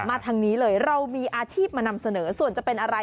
ทางนี้เลยเรามีอาชีพมานำเสนอส่วนจะเป็นอะไร